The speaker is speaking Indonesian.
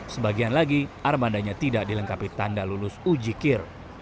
sebagian lagi armadanya tidak dilengkapi tanda lulus uji kir